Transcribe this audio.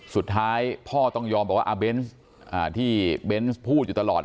สุดท้ายพ่อต้องยอมบอกว่าอาเบนส์ที่เบนส์พูดอยู่ตลอด